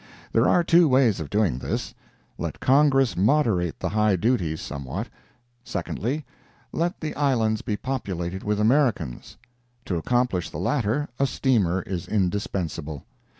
There are two ways of doing this: Let Congress moderate the high duties some what; secondly—let the Islands be populated with Americans. To accomplish the latter, a steamer is indispensable.